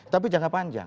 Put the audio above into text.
tapi jangka panjang